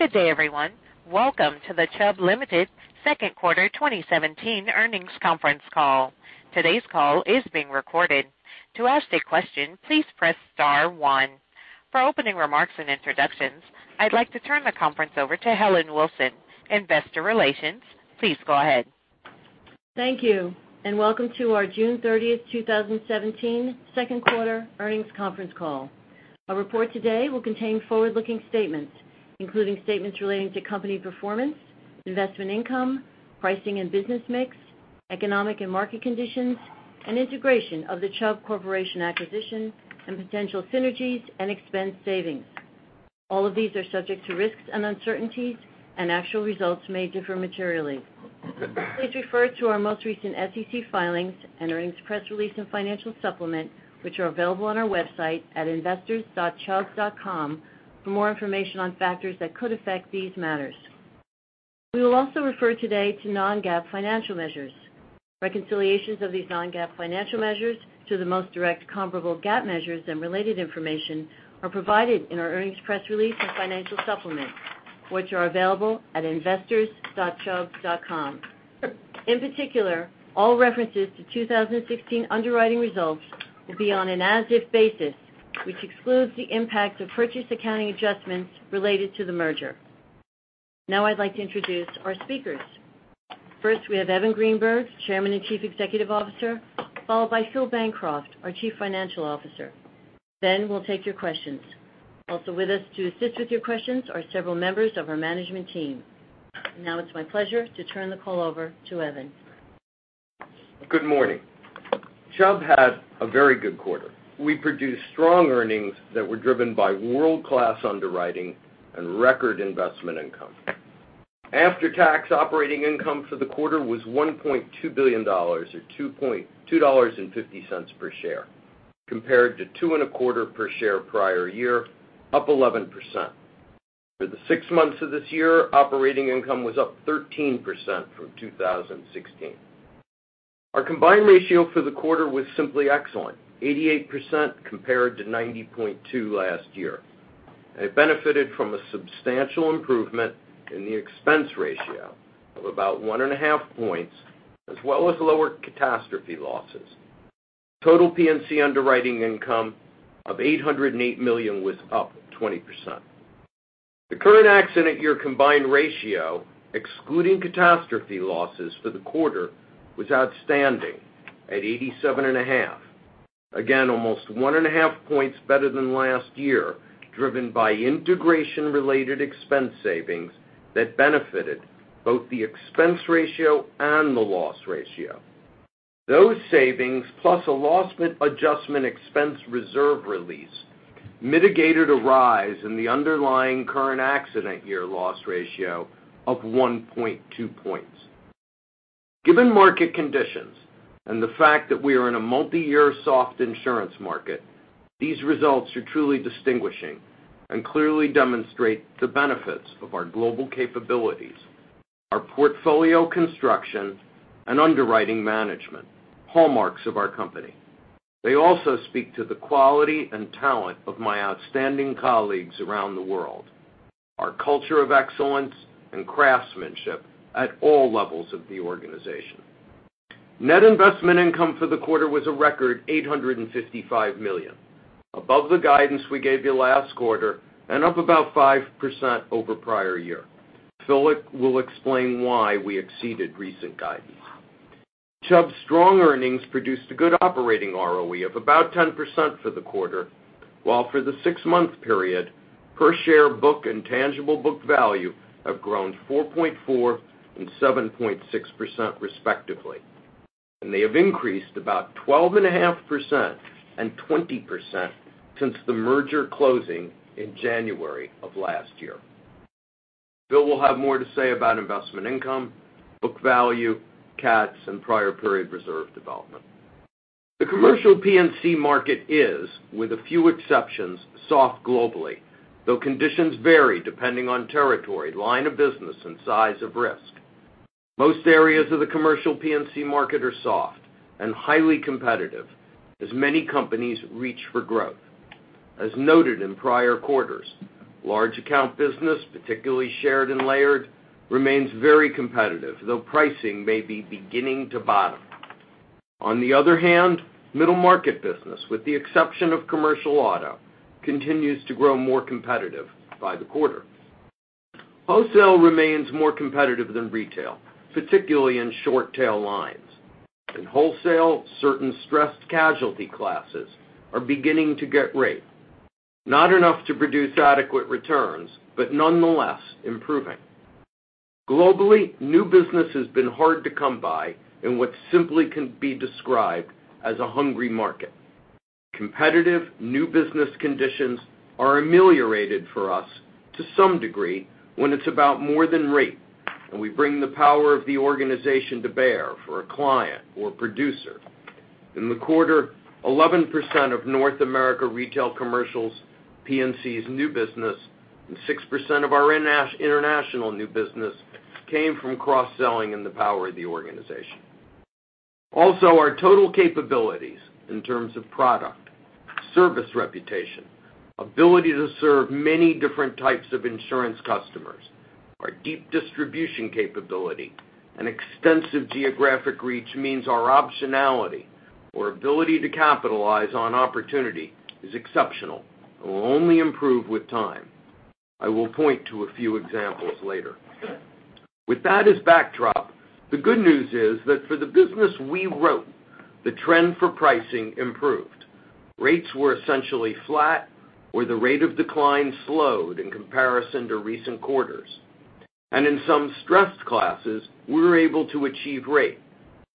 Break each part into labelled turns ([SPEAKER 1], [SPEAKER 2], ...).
[SPEAKER 1] Good day, everyone. Welcome to the Chubb Limited second quarter 2017 earnings conference call. Today's call is being recorded. To ask a question, please press star one. For opening remarks and introductions, I'd like to turn the conference over to Helen Wilson, investor relations. Please go ahead.
[SPEAKER 2] Thank you, and welcome to our June 30th, 2017 second quarter earnings conference call. Our report today will contain forward-looking statements, including statements relating to company performance, investment income, pricing and business mix, economic and market conditions, and integration of the Chubb Corporation acquisition, and potential synergies and expense savings. All of these are subject to risks and uncertainties, and actual results may differ materially. Please refer to our most recent SEC filings and earnings press release and financial supplement, which are available on our website at investors.chubb.com for more information on factors that could affect these matters. We will also refer today to non-GAAP financial measures. Reconciliations of these non-GAAP financial measures to the most direct comparable GAAP measures and related information are provided in our earnings press release and financial supplement, which are available at investors.chubb.com. In particular, all references to 2016 underwriting results will be on an as-if basis, which excludes the impact of purchase accounting adjustments related to the merger. I'd like to introduce our speakers. First we have Evan Greenberg, Chairman and Chief Executive Officer, followed by Philip Bancroft, our Chief Financial Officer. We'll take your questions. Also with us to assist with your questions are several members of our management team. It's my pleasure to turn the call over to Evan.
[SPEAKER 3] Good morning. Chubb had a very good quarter. We produced strong earnings that were driven by world-class underwriting and record investment income. After-tax operating income for the quarter was $1.2 billion, or $2.25 per share, compared to $2.25 per share prior year, up 11%. For the six months of this year, operating income was up 13% from 2016. Our combined ratio for the quarter was simply excellent, 88% compared to 90.2% last year. It benefited from a substantial improvement in the expense ratio of about 1.5 points, as well as lower catastrophe losses. Total P&C underwriting income of $808 million was up 20%. The current accident year combined ratio, excluding catastrophe losses for the quarter, was outstanding at 87.5%, again, almost 1.5 points better than last year, driven by integration-related expense savings that benefited both the expense ratio and the loss ratio. Those savings, plus a loss adjustment expense reserve release, mitigated a rise in the underlying current accident year loss ratio of 1.2 points. Given market conditions and the fact that we are in a multiyear soft insurance market, these results are truly distinguishing and clearly demonstrate the benefits of our global capabilities, our portfolio construction, and underwriting management, hallmarks of our company. They also speak to the quality and talent of my outstanding colleagues around the world, our culture of excellence, and craftsmanship at all levels of the organization. Net investment income for the quarter was a record $855 million, above the guidance we gave you last quarter and up about 5% over prior year. Philip will explain why we exceeded recent guidance. Chubb's strong earnings produced a good operating ROE of about 10% for the quarter, while for the six-month period, per share book and tangible book value have grown 4.4% and 7.6% respectively, and they have increased about 12.5% and 20% since the merger closing in January of last year. Phil will have more to say about investment income, book value, CATs, and prior period reserve development. The commercial P&C market is, with a few exceptions, soft globally, though conditions vary depending on territory, line of business, and size of risk. Most areas of the commercial P&C market are soft and highly competitive as many companies reach for growth. As noted in prior quarters, large account business, particularly shared and layered, remains very competitive, though pricing may be beginning to bottom. On the other hand, middle market business, with the exception of commercial auto, continues to grow more competitive by the quarter. Wholesale remains more competitive than retail, particularly in short tail lines. In wholesale, certain stressed casualty classes are beginning to get rate. Not enough to produce adequate returns, but nonetheless improving. Globally, new business has been hard to come by in what simply can be described as a hungry market. Competitive new business conditions are ameliorated for us to some degree when it's about more than rate, and we bring the power of the organization to bear for a client or producer. In the quarter, 11% of North America retail commercials P&C's new business and 6% of our international new business came from cross-selling and the power of the organization. Also, our total capabilities in terms of product, service reputation, ability to serve many different types of insurance customers, our deep distribution capability, and extensive geographic reach means our optionality or ability to capitalize on opportunity is exceptional and will only improve with time. I will point to a few examples later. With that as backdrop, the good news is that for the business we wrote, the trend for pricing improved. Rates were essentially flat, or the rate of decline slowed in comparison to recent quarters. In some stressed classes, we were able to achieve rate,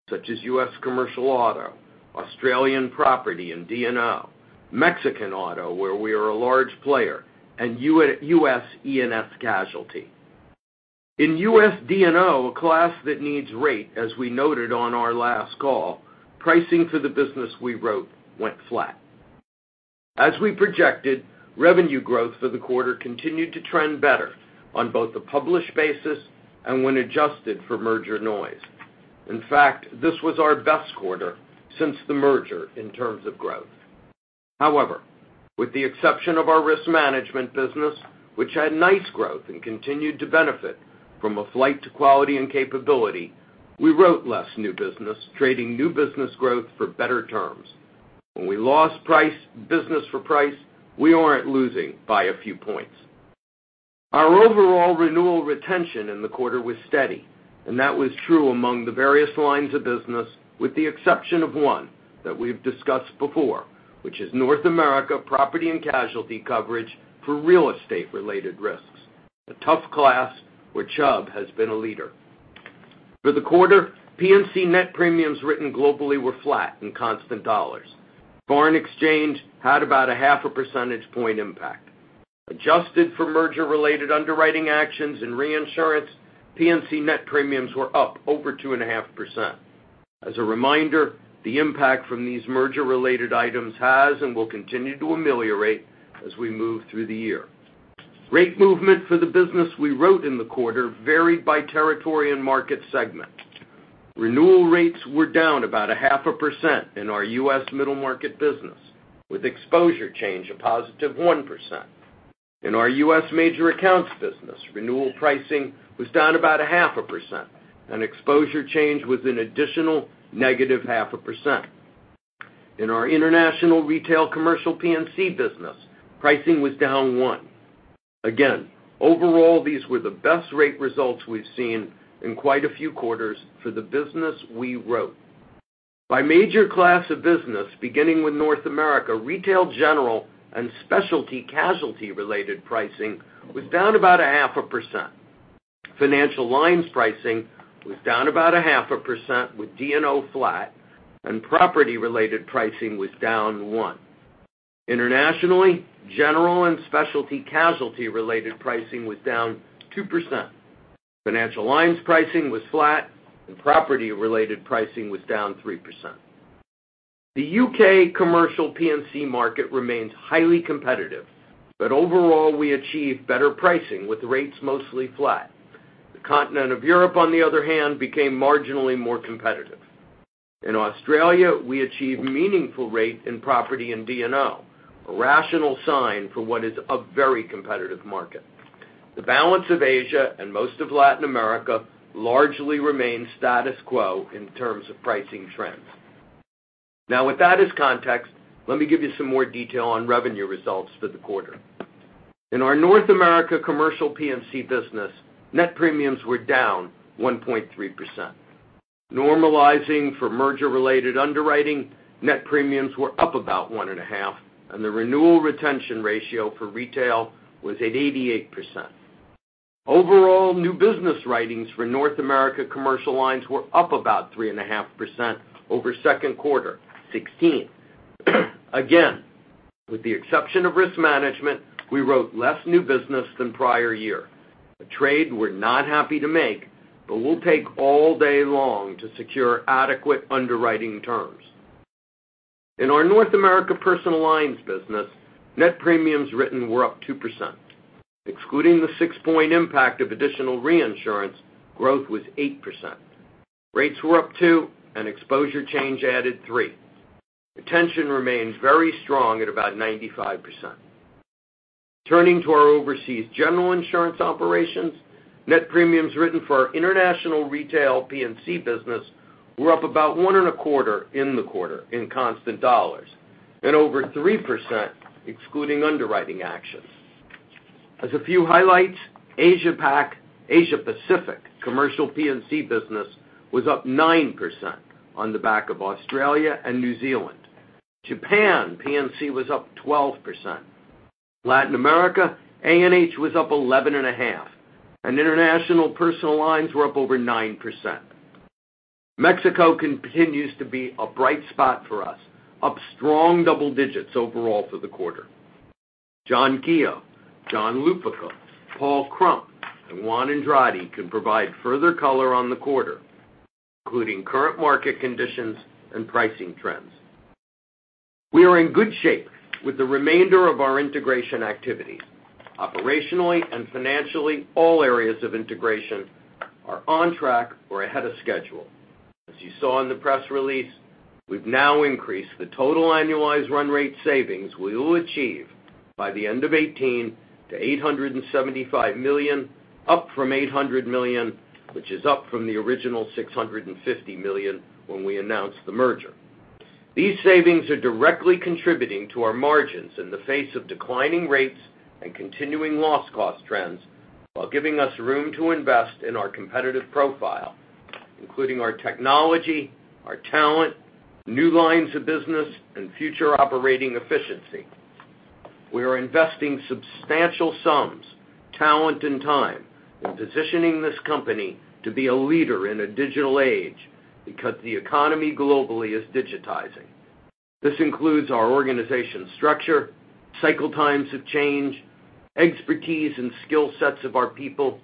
[SPEAKER 3] such as U.S. commercial auto, Australian property and D&O, Mexican auto, where we are a large player, and U.S. E&S casualty. In U.S. D&O, a class that needs rate, as we noted on our last call, pricing for the business we wrote went flat. As we projected, revenue growth for the quarter continued to trend better on both the published basis and when adjusted for merger noise. In fact, this was our best quarter since the merger in terms of growth. However, with the exception of our risk management business, which had nice growth and continued to benefit from a flight to quality and capability, we wrote less new business, trading new business growth for better terms. When we lost business for price, we aren't losing by a few points. Our overall renewal retention in the quarter was steady, and that was true among the various lines of business, with the exception of one that we've discussed before, which is North America property and casualty coverage for real estate related risks, a tough class where Chubb has been a leader. For the quarter, P&C net premiums written globally were flat in constant dollars. Foreign exchange had about a half a percentage point impact. Adjusted for merger related underwriting actions and reinsurance, P&C net premiums were up over 2.5%. As a reminder, the impact from these merger related items has and will continue to ameliorate as we move through the year. Rate movement for the business we wrote in the quarter varied by territory and market segment. Renewal rates were down about a half a percent in our U.S. middle market business, with exposure change a positive 1%. In our U.S. major accounts business, renewal pricing was down about a half a percent, and exposure change was an additional negative half a percent. In our international retail commercial P&C business, pricing was down one. Overall, these were the best rate results we've seen in quite a few quarters for the business we wrote. By major class of business, beginning with North America, retail general and specialty casualty related pricing was down about a half a percent. Financial lines pricing was down about a half a percent, with D&O flat, and property related pricing was down one. Internationally, general and specialty casualty related pricing was down 2%. Financial lines pricing was flat and property related pricing was down 3%. The U.K. commercial P&C market remains highly competitive, but overall we achieved better pricing with rates mostly flat. The continent of Europe, on the other hand, became marginally more competitive. In Australia, we achieved meaningful rate in property and D&O, a rational sign for what is a very competitive market. The balance of Asia and most of Latin America largely remain status quo in terms of pricing trends. With that as context, let me give you some more detail on revenue results for the quarter. In our North America commercial P&C business, net premiums were down 1.3%. Normalizing for merger related underwriting, net premiums were up about 1.5%, and the renewal retention ratio for retail was at 88%. Overall, new business writings for North America commercial lines were up about 3.5% over second quarter 2016. With the exception of risk management, we wrote less new business than prior year. A trade we're not happy to make, but we'll take all day long to secure adequate underwriting terms. In our North America personal lines business, net premiums written were up 2%. Excluding the six-point impact of additional reinsurance, growth was 8%. Rates were up two and exposure change added three. Retention remains very strong at about 95%. Turning to our overseas general insurance operations, net premiums written for our international retail P&C business were up about 1.25% in the quarter in constant dollars and over 3% excluding underwriting actions. As a few highlights, Asia Pacific commercial P&C business was up 9% on the back of Australia and New Zealand. Japan P&C was up 12%. Latin America A&H was up 11.5%, and international personal lines were up over 9%. Mexico continues to be a bright spot for us, up strong double digits overall for the quarter. John Keogh, John Lupica, Paul Krump, and Juan Andrade can provide further color on the quarter, including current market conditions and pricing trends. We are in good shape with the remainder of our integration activities. Operationally and financially, all areas of integration are on track or ahead of schedule. As you saw in the press release, we've now increased the total annualized run rate savings we will achieve by the end of 2018 to $875 million, up from $800 million, which is up from the original $650 million when we announced the merger. These savings are directly contributing to our margins in the face of declining rates and continuing loss cost trends, while giving us room to invest in our competitive profile, including our technology, our talent, new lines of business, and future operating efficiency. We are investing substantial sums, talent, and time in positioning this company to be a leader in a digital age because the economy globally is digitizing. This includes our organization structure, cycle times of change, expertise and skill sets of our people,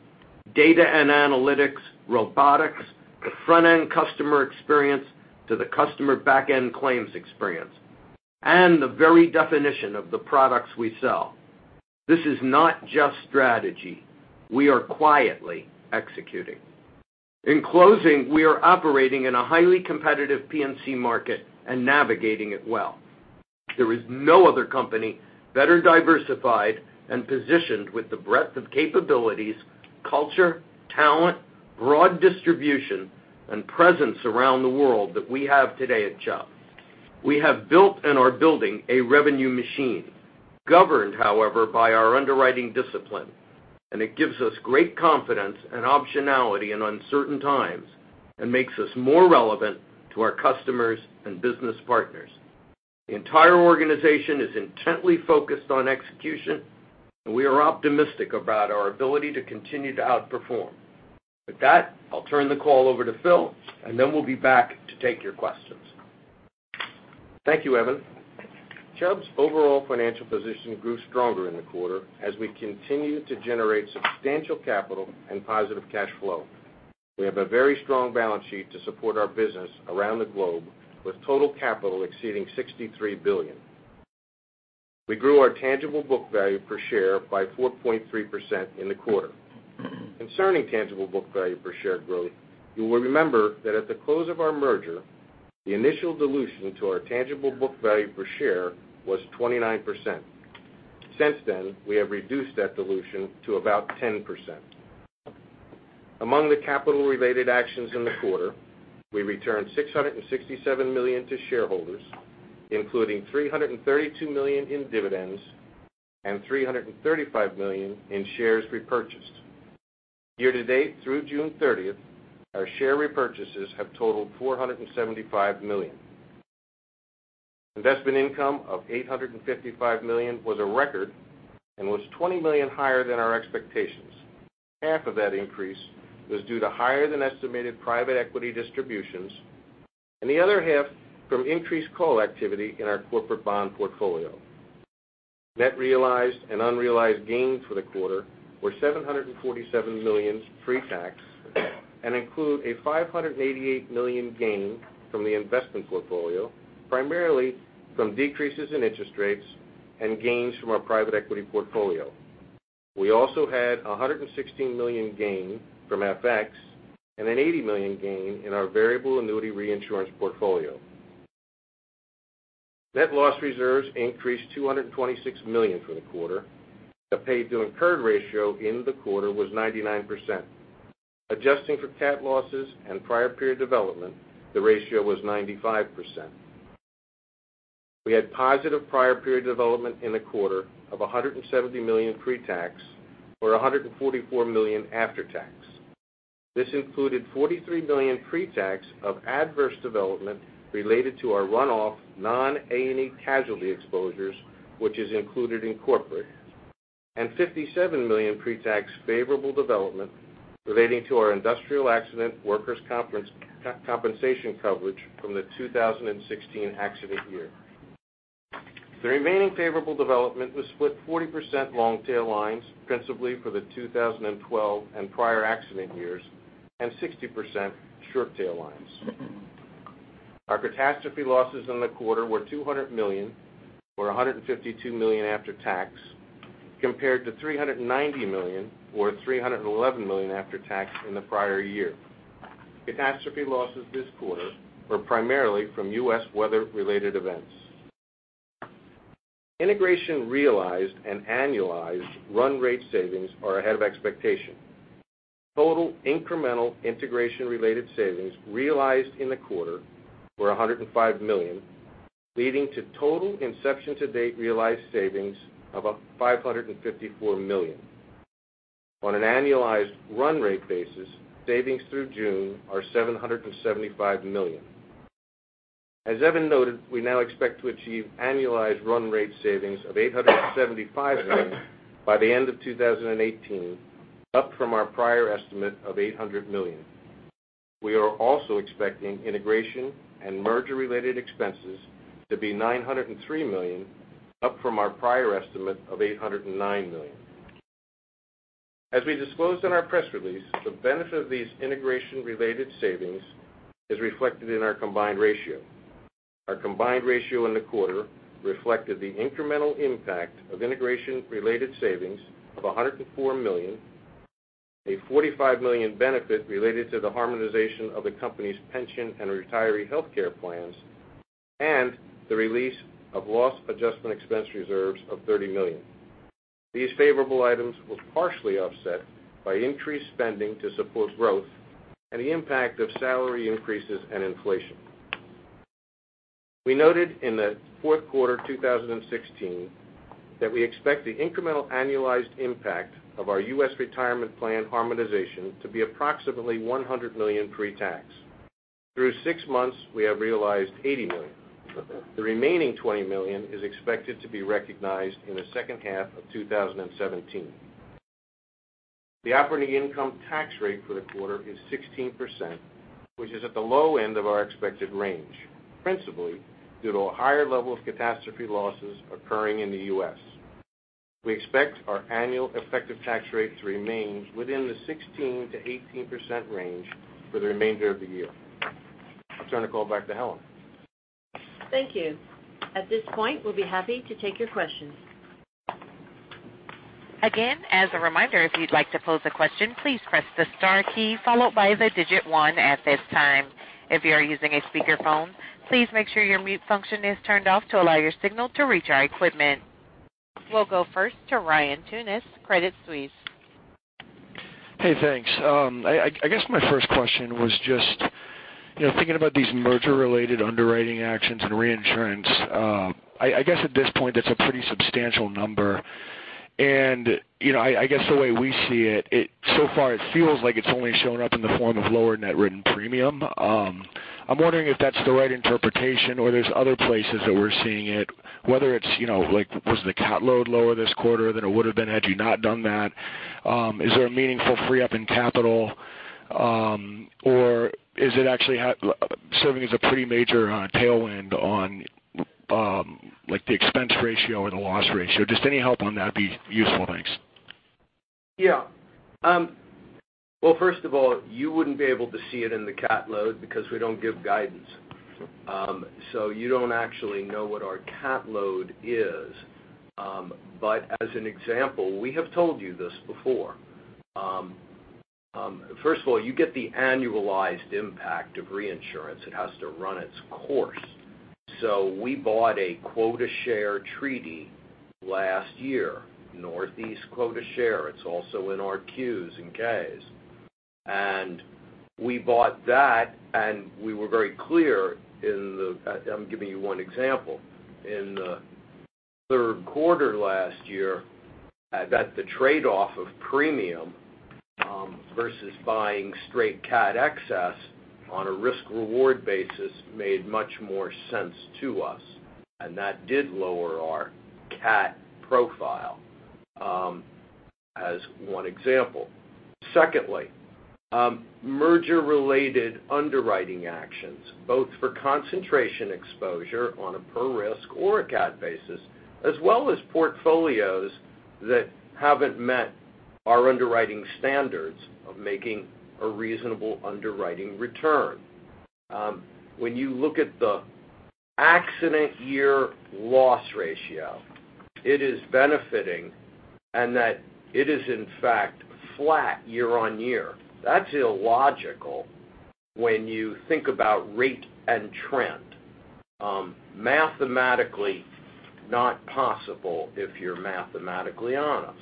[SPEAKER 3] data and analytics, robotics, the front-end customer experience to the customer back-end claims experience, and the very definition of the products we sell. This is not just strategy. We are quietly executing. In closing, we are operating in a highly competitive P&C market and navigating it well. There is no other company better diversified and positioned with the breadth of capabilities, culture, talent, broad distribution, and presence around the world that we have today at Chubb. We have built and are building a revenue machine, governed, however, by our underwriting discipline, and it gives us great confidence and optionality in uncertain times and makes us more relevant to our customers and business partners. The entire organization is intently focused on execution, and we are optimistic about our ability to continue to outperform. With that, I'll turn the call over to Phil, and then we'll be back to take your questions.
[SPEAKER 4] Thank you, Evan. Chubb's overall financial position grew stronger in the quarter as we continue to generate substantial capital and positive cash flow. We have a very strong balance sheet to support our business around the globe, with total capital exceeding $63 billion. We grew our tangible book value per share by 4.3% in the quarter. Concerning tangible book value per share growth, you will remember that at the close of our merger, the initial dilution to our tangible book value per share was 29%. Since then, we have reduced that dilution to about 10%. Among the capital related actions in the quarter, we returned $667 million to shareholders, including $332 million in dividends and $335 million in shares repurchased. Year to date through June 30, our share repurchases have totaled $475 million. Investment income of $855 million was a record and was $20 million higher than our expectations. Half of that increase was due to higher than estimated private equity distributions and the other half from increased call activity in our corporate bond portfolio. Net realized and unrealized gains for the quarter were $747 million pre-tax and include a $588 million gain from the investment portfolio, primarily from decreases in interest rates and gains from our private equity portfolio. We also had $116 million gain from FX and an $80 million gain in our variable annuity reinsurance portfolio. Net loss reserves increased $226 million for the quarter. The paid to incurred ratio in the quarter was 99%. Adjusting for CAT losses and prior period development, the ratio was 95%. We had positive prior period development in the quarter of $170 million pre-tax or $144 million after tax. This included $43 million pre-tax of adverse development related to our runoff non-A&E casualty exposures, which is included in corporate, and $57 million pre-tax favorable development relating to our industrial accident workers' compensation coverage from the 2016 accident year. The remaining favorable development was split 40% long-tail lines, principally for the 2012 and prior accident years, and 60% short-tail lines. Our catastrophe losses in the quarter were $200 million or $152 million after tax, compared to $390 million or $311 million after tax in the prior year. Catastrophe losses this quarter were primarily from U.S. weather related events. Integration realized and annualized run rate savings are ahead of expectation. Total incremental integration related savings realized in the quarter were $105 million, leading to total inception to date realized savings of about $554 million. On an annualized run rate basis, savings through June are $775 million. As Evan noted, we now expect to achieve annualized run rate savings of $875 million by the end of 2018, up from our prior estimate of $800 million. We are also expecting integration and merger related expenses to be $903 million, up from our prior estimate of $809 million. As we disclosed in our press release, the benefit of these integration-related savings is reflected in our combined ratio. Our combined ratio in the quarter reflected the incremental impact of integration-related savings of $104 million, a $45 million benefit related to the harmonization of the company's pension and retiree healthcare plans, and the release of loss adjustment expense reserves of $30 million. These favorable items were partially offset by increased spending to support growth and the impact of salary increases and inflation. We noted in the fourth quarter 2016 that we expect the incremental annualized impact of our U.S. retirement plan harmonization to be approximately $100 million pre-tax. Through six months, we have realized $80 million. The remaining $20 million is expected to be recognized in the second half of 2017. The operating income tax rate for the quarter is 16%, which is at the low end of our expected range, principally due to a higher level of catastrophe losses occurring in the U.S. We expect our annual effective tax rate to remain within the 16%-18% range for the remainder of the year. I'll turn the call back to Helen.
[SPEAKER 1] Thank you. At this point, we'll be happy to take your questions. Again, as a reminder, if you'd like to pose a question, please press the star key followed by the digit one at this time. If you are using a speakerphone, please make sure your mute function is turned off to allow your signal to reach our equipment. We'll go first to Ryan Tunis, Credit Suisse.
[SPEAKER 5] Hey, thanks. I guess my first question was just thinking about these merger related underwriting actions and reinsurance. I guess at this point it's a pretty substantial number, and I guess the way we see it, so far it feels like it's only shown up in the form of lower net written premium. I'm wondering if that's the right interpretation or there's other places that we're seeing it, whether it's like was the CAT load lower this quarter than it would have been had you not done that? Is there a meaningful free-up in capital? Or is it actually serving as a pretty major tailwind on the expense ratio or the loss ratio? Just any help on that'd be useful. Thanks.
[SPEAKER 4] Yeah. Well, first of all, you wouldn't be able to see it in the CAT load because we don't give guidance. You don't actually know what our CAT load is. As an example, we have told you this before. First of all, you get the annualized impact of reinsurance. It has to run its course. We bought a quota share treaty last year, Northeast quota share. It's also in our Qs and Ks. We bought that, and we were very clear, I'm giving you one example. In the third quarter last year, that the trade-off of premium versus buying straight CAT excess on a risk/reward basis made much more sense to us, and that did lower our CAT profile as one example. Secondly, merger-related underwriting actions, both for concentration exposure on a per risk or a CAT basis, as well as portfolios that haven't met our underwriting standards of making a reasonable underwriting return. When you look at the accident year loss ratio, it is benefiting, and that it is in fact flat year-over-year. That's illogical when you think about rate and trend. Mathematically not possible if you're mathematically honest.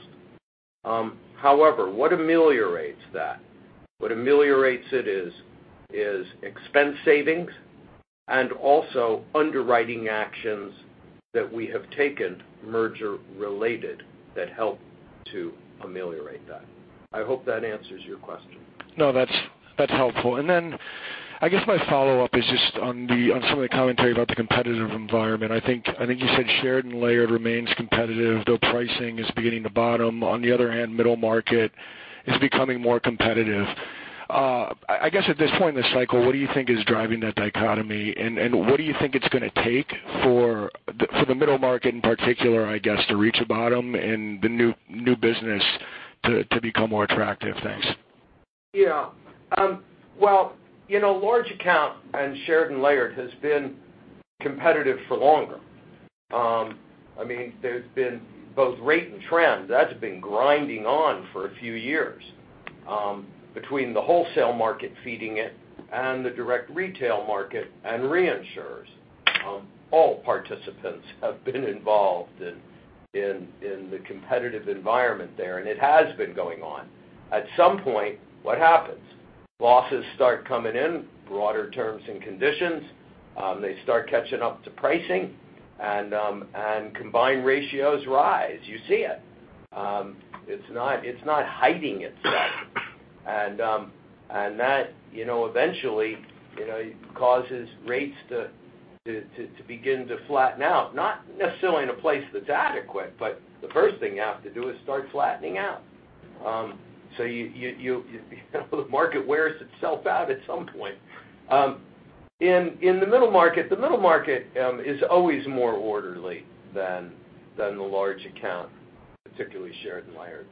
[SPEAKER 4] However, what ameliorates that? What ameliorates it is expense savings and also underwriting actions that we have taken merger-related that help to ameliorate that. I hope that answers your question.
[SPEAKER 5] No, that's helpful. I guess my follow-up is just on some of the commentary about the competitive environment. I think you said Shared and Layered remains competitive, though pricing is beginning to bottom. On the other hand, Middle Market is becoming more competitive. I guess at this point in the cycle, what do you think is driving that dichotomy, and what do you think it's going to take for the Middle Market in particular, I guess, to reach a bottom and the new business to become more attractive? Thanks.
[SPEAKER 4] Well, Large Account and Shared and Layered has been competitive for longer. There's been both rate and trend. That's been grinding on for a few years. Between the wholesale market feeding it and the direct retail market and reinsurers, all participants have been involved in the competitive environment there, and it has been going on. At some point, what happens? Losses start coming in, broader terms and conditions. They start catching up to pricing and combined ratios rise. You see it. It's not hiding itself. That eventually causes rates to begin to flatten out, not necessarily in a place that's adequate, but the first thing you have to do is start flattening out. The market wears itself out at some point.
[SPEAKER 3] In the Middle Market, the Middle Market is always more orderly than the Large Account, particularly Shared and Layered.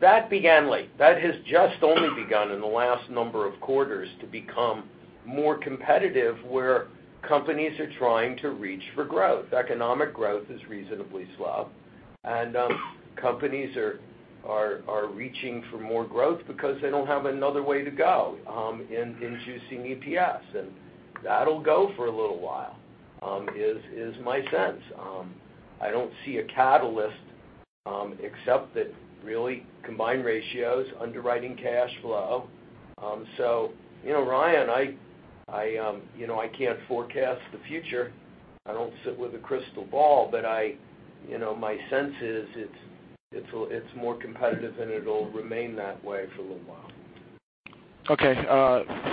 [SPEAKER 3] That began late. That has just only begun in the last number of quarters to become more competitive, where companies are trying to reach for growth. Economic growth is reasonably slow, and companies are reaching for more growth because they don't have another way to go in juicing EPS. That'll go for a little while, is my sense. I don't see a catalyst except that really combined ratios, underwriting cash flow. Ryan, I can't forecast the future. I don't sit with a crystal ball, but my sense is it's more competitive and it'll remain that way for a little while.
[SPEAKER 5] Okay.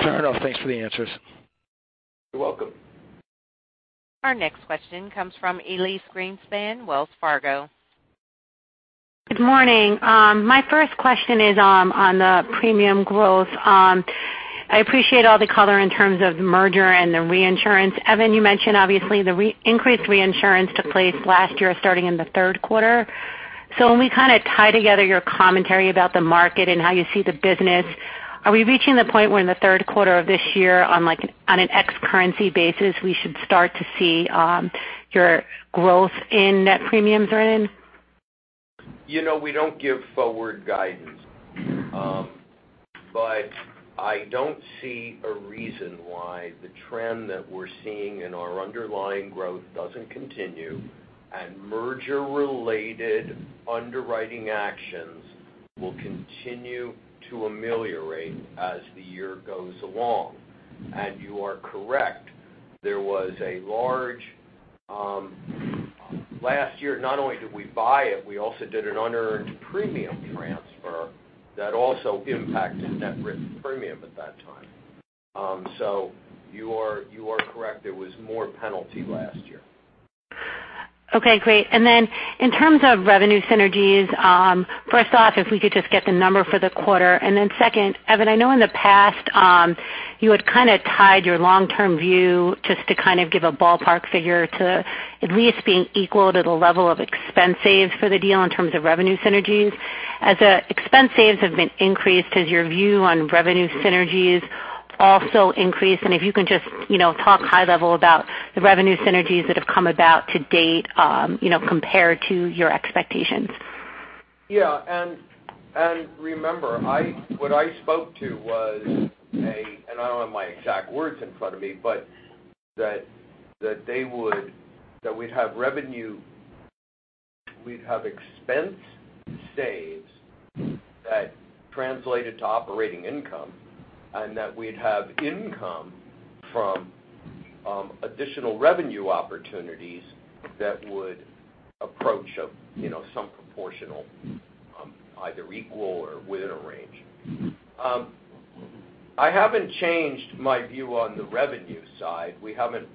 [SPEAKER 5] Fair enough. Thanks for the answers.
[SPEAKER 3] You're welcome.
[SPEAKER 1] Our next question comes from Elyse Greenspan, Wells Fargo.
[SPEAKER 6] Good morning. My first question is on the premium growth. I appreciate all the color in terms of merger and the reinsurance. Evan, you mentioned obviously the increased reinsurance took place last year, starting in the third quarter. When we tie together your commentary about the market and how you see the business, are we reaching the point where in the third quarter of this year on an ex currency basis, we should start to see your growth in net premiums earned?
[SPEAKER 3] We don't give forward guidance. I don't see a reason why the trend that we're seeing in our underlying growth doesn't continue, and merger-related underwriting actions will continue to ameliorate as the year goes along. You are correct. Last year, not only did we buy it, we also did an unearned premium transfer that also impacted net written premium at that time. You are correct. There was more penalty last year.
[SPEAKER 6] Okay, great. In terms of revenue synergies, first off, if we could just get the number for the quarter. Second, Evan, I know in the past, you had tied your long-term view just to give a ballpark figure to at least being equal to the level of expense saves for the deal in terms of revenue synergies. As the expense saves have been increased, has your view on revenue synergies also increased? If you can just talk high level about the revenue synergies that have come about to date compared to your expectations.
[SPEAKER 3] Yeah. Remember, what I spoke to was, and I don't have my exact words in front of me, but that we'd have expense saves that translated to operating income, and that we'd have income from additional revenue opportunities that would approach some proportional, either equal or within a range. I haven't changed my view on the revenue side. We haven't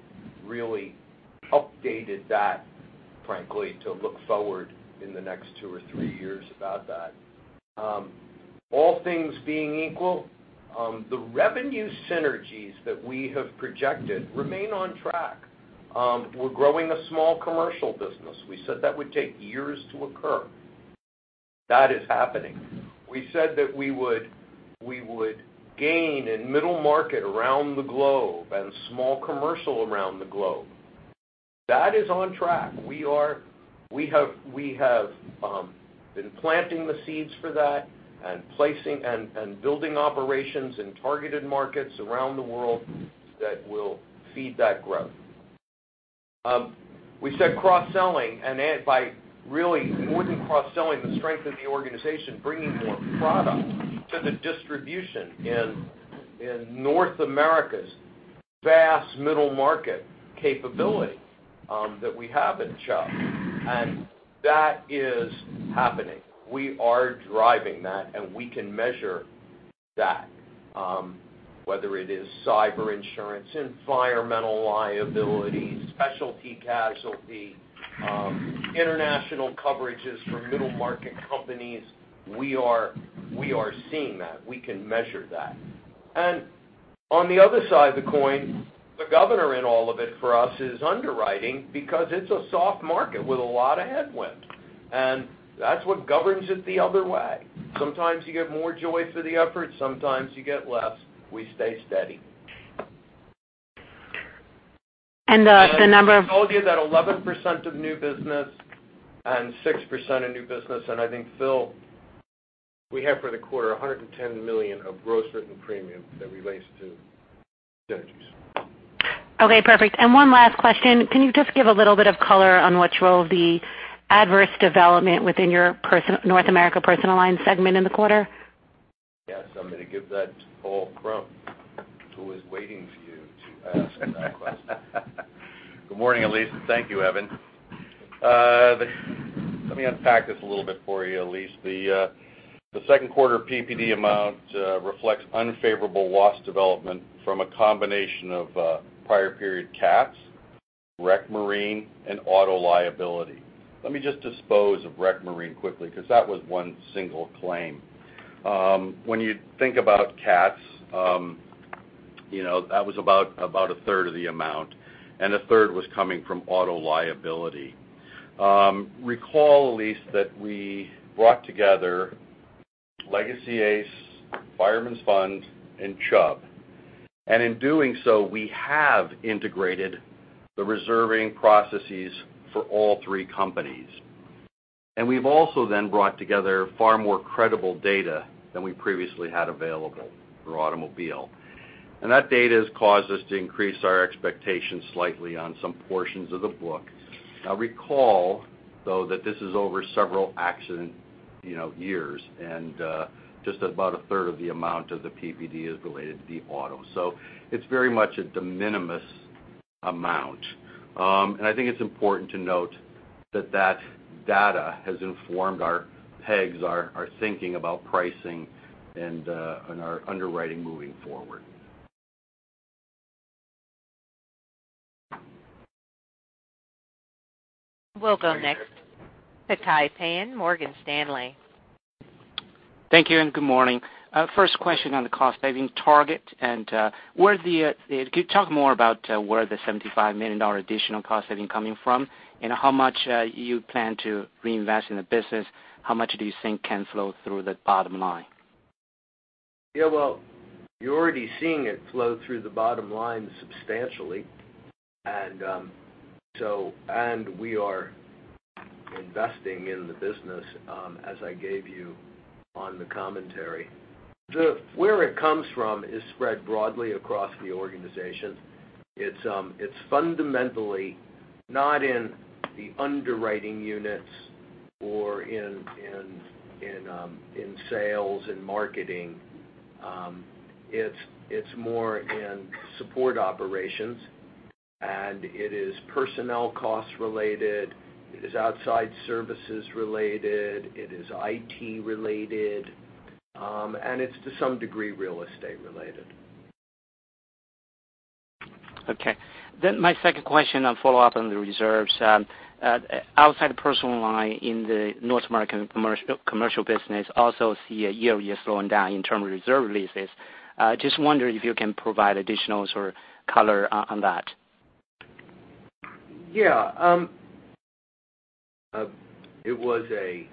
[SPEAKER 3] really updated that, frankly, to look forward in the next two or three years about that. All things being equal, the revenue synergies that we have projected remain on track. We're growing a small commercial business. We said that would take years to occur. That is happening. We said that we would gain in middle market around the globe and small commercial around the globe. That is on track. We have been planting the seeds for that and building operations in targeted markets around the world that will feed that growth. We said cross-selling, and by really more than cross-selling, the strength of the organization, bringing more product to the distribution in North America's vast middle market capability that we have at Chubb, and that is happening. We are driving that, and we can measure that. Whether it is cyber insurance, environmental liability, specialty casualty, international coverages for middle-market companies, we are seeing that. We can measure that. On the other side of the coin, the governor in all of it for us is underwriting because it's a soft market with a lot of headwinds, and that's what governs it the other way. Sometimes you get more joy for the effort, sometimes you get less. We stay steady.
[SPEAKER 6] The number of-
[SPEAKER 3] I told you that 11% of new business and 6% of new business, and I think, Phil, we have for the quarter, $110 million of gross written premium that relates to synergies.
[SPEAKER 6] Okay, perfect. One last question. Can you just give a little bit of color on what role the adverse development within your North America personal line segment in the quarter?
[SPEAKER 3] Yes, I'm going to give that to Paul Krump who was waiting for you to ask that question.
[SPEAKER 7] Good morning, Elyse, thank you, Evan. Let me unpack this a little bit for you, Elyse. The second quarter PPD amount reflects unfavorable loss development from a combination of prior period CATs Rec Marine and auto liability. Let me just dispose of Recreational Marine quickly, because that was one single claim. When you think about CATs, that was about a third of the amount, a third was coming from auto liability. Recall, Elyse, that we brought together Legacy ACE, Fireman's Fund, and Chubb. In doing so, we have integrated the reserving processes for all three companies. We've also then brought together far more credible data than we previously had available for automobile. That data has caused us to increase our expectations slightly on some portions of the book. Now recall, though, that this is over several accident years, and just about a third of the amount of the PPD is related to the auto. It's very much a de minimis amount.
[SPEAKER 3] I think it's important to note that that data has informed our pegs, our thinking about pricing, and our underwriting moving forward.
[SPEAKER 1] We'll go next to Kai Pan, Morgan Stanley.
[SPEAKER 8] Thank you. Good morning. First question on the cost saving target. Could you talk more about where the $75 million additional cost saving coming from, and how much you plan to reinvest in the business, how much do you think can flow through the bottom line?
[SPEAKER 3] Well, you're already seeing it flow through the bottom line substantially. We are investing in the business, as I gave you on the commentary. Where it comes from is spread broadly across the organization. It's fundamentally not in the underwriting units or in sales and marketing. It's more in support operations, and it is personnel cost related, it is outside services related, it is IT related, and it's to some degree real estate related.
[SPEAKER 8] Okay. My second question, I'll follow up on the reserves. Outside the personal line in the North American commercial business, also see a year-over-year slowing down in term of reserve releases. Just wonder if you can provide additionals or color on that.
[SPEAKER 3] Yeah. It was a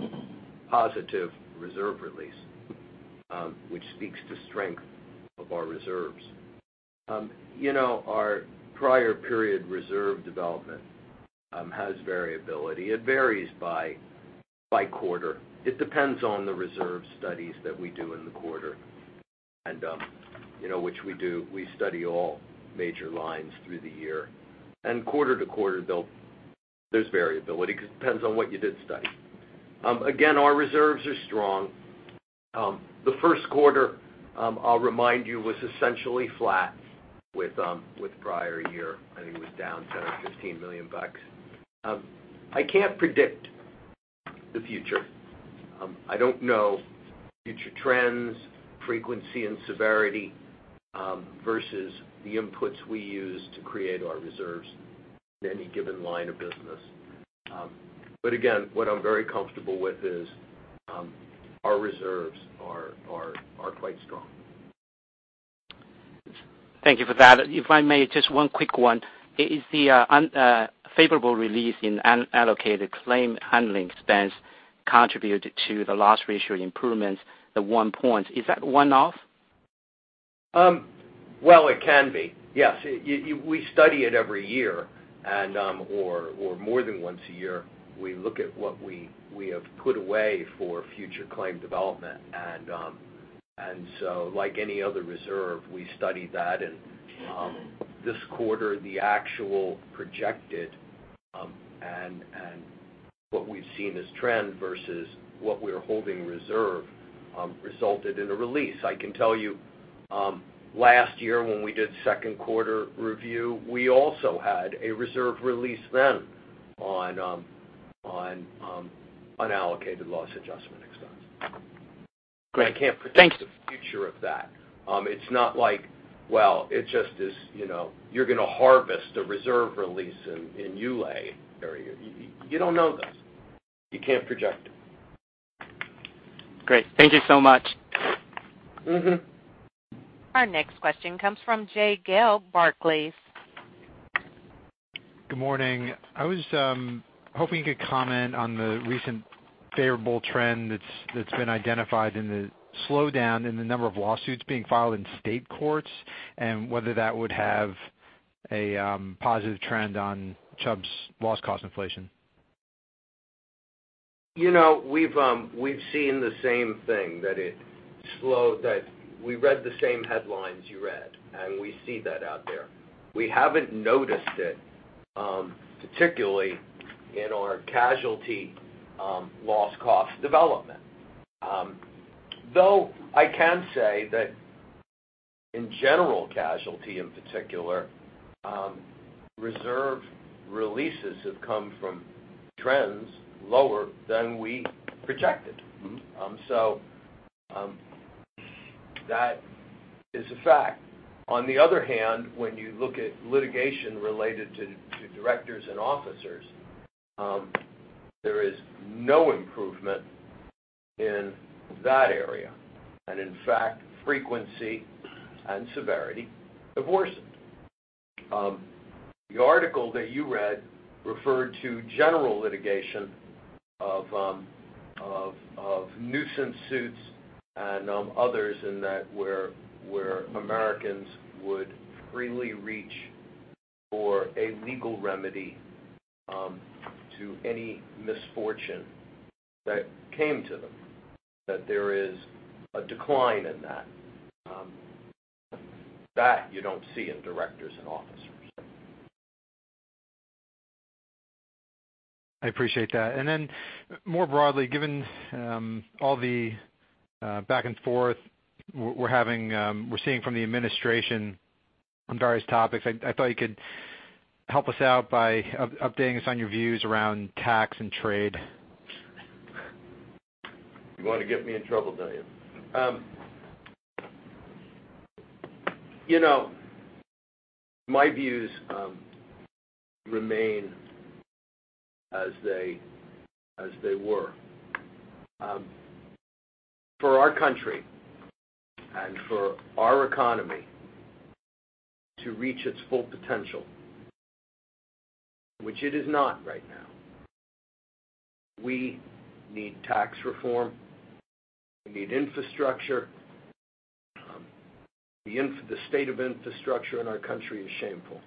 [SPEAKER 3] positive reserve release, which speaks to strength of our reserves. Our prior period reserve development has variability. It varies by quarter. It depends on the reserve studies that we do in the quarter, which we do, we study all major lines through the year. Quarter to quarter, there's variability, because it depends on what you did study. Again, our reserves are strong. The first quarter, I'll remind you, was essentially flat with prior year. I think it was down $10 million or $15 million bucks. I can't predict the future. I don't know future trends, frequency and severity, versus the inputs we use to create our reserves in any given line of business. Again, what I'm very comfortable with is our reserves are quite strong.
[SPEAKER 8] Thank you for that. If I may, just one quick one. Is the favorable release in unallocated loss adjustment expense contributed to the loss ratio improvements, the one point, is that one-off?
[SPEAKER 3] Well, it can be. Yes. We study it every year, or more than once a year. We look at what we have put away for future claim development. Like any other reserve, we study that, and this quarter, the actual projected and what we've seen as trend versus what we're holding reserve, resulted in a release. I can tell you, last year when we did second quarter review, we also had a reserve release then on unallocated loss adjustment expense.
[SPEAKER 8] Great. Thanks.
[SPEAKER 3] I can't predict the future of that. It's not like, well, it just is you're going to harvest a reserve release in ULAE area. You don't know this. You can't project it.
[SPEAKER 8] Great. Thank you so much.
[SPEAKER 1] Our next question comes from Jay Gelb, Barclays.
[SPEAKER 9] Good morning. I was hoping you could comment on the recent favorable trend that's been identified in the slowdown in the number of lawsuits being filed in state courts, and whether that would have a positive trend on Chubb's loss cost inflation.
[SPEAKER 3] We've seen the same thing, that we read the same headlines you read, and we see that out there. We haven't noticed it particularly in our casualty loss cost development. I can say that in general casualty in particular, reserve releases have come from trends lower than we projected. That is a fact. On the other hand, when you look at litigation related to directors and officers, there is no improvement in that area. In fact, frequency and severity have worsened. The article that you read referred to general litigation of nuisance suits and others in that where Americans would freely reach for a legal remedy to any misfortune that came to them, that there is a decline in that. That you don't see in directors and officers.
[SPEAKER 9] I appreciate that. Then more broadly, given all the back and forth we're seeing from the administration on various topics, I thought you could help us out by updating us on your views around tax and trade.
[SPEAKER 3] You want to get me in trouble, don't you? My views remain as they were. For our country and for our economy to reach its full potential, which it is not right now, we need tax reform. We need infrastructure. The state of infrastructure in our country is shameful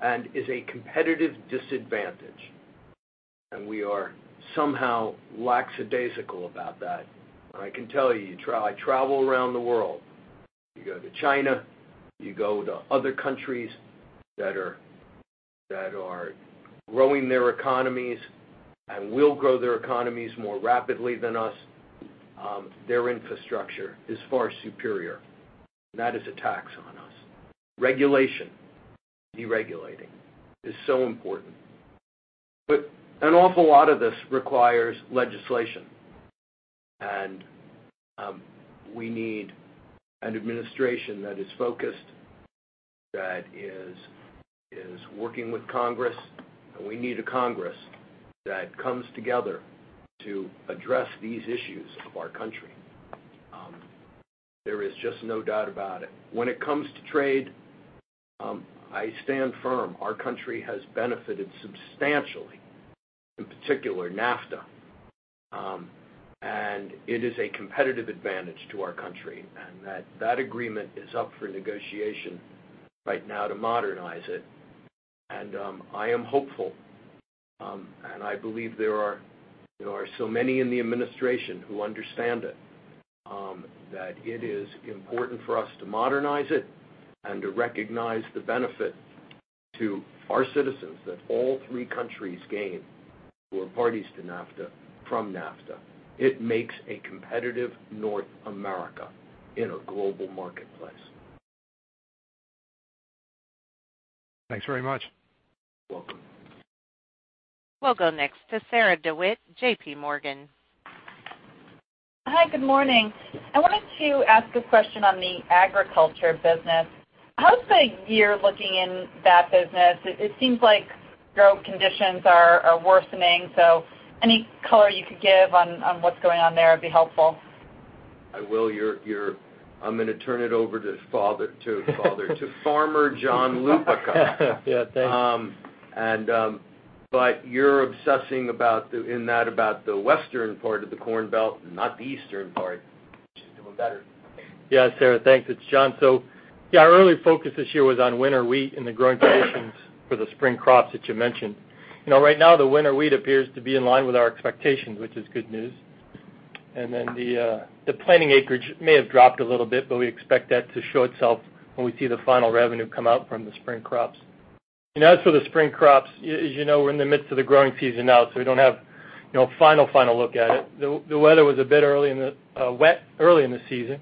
[SPEAKER 3] and is a competitive disadvantage, and we are somehow lackadaisical about that. I can tell you, I travel around the world. You go to China, you go to other countries that are growing their economies and will grow their economies more rapidly than us, their infrastructure is far superior. That is a tax on us. Regulation, deregulating is so important. An awful lot of this requires legislation, and we need an administration that is focused, that is working with Congress, and we need a Congress that comes together to address these issues of our country. There is just no doubt about it. When it comes to trade, I stand firm. Our country has benefited substantially, in particular NAFTA, it is a competitive advantage to our country, and that agreement is up for negotiation right now to modernize it. I am hopeful, and I believe there are so many in the administration who understand it, that it is important for us to modernize it and to recognize the benefit to our citizens that all three countries gain who are parties to NAFTA from NAFTA. It makes a competitive North America in a global marketplace.
[SPEAKER 9] Thanks very much.
[SPEAKER 3] You're welcome.
[SPEAKER 1] We'll go next to Sarah DeWitt, J.P. Morgan.
[SPEAKER 10] Hi, good morning. I wanted to ask a question on the agriculture business. How's the year looking in that business? It seems like growth conditions are worsening, so any color you could give on what's going on there would be helpful.
[SPEAKER 3] I will. I'm going to turn it over to John Lupica.
[SPEAKER 11] Thanks.
[SPEAKER 3] You're obsessing in that about the western part of the Corn Belt, not the eastern part, which is doing better.
[SPEAKER 11] Sarah, thanks. It's John. Our early focus this year was on winter wheat and the growing conditions for the spring crops that you mentioned. Right now, the winter wheat appears to be in line with our expectations, which is good news. The planting acreage may have dropped a little bit, but we expect that to show itself when we see the final revenue come out from the spring crops. As for the spring crops, as you know, we're in the midst of the growing season now, so we don't have final look at it. The weather was a bit wet early in the season,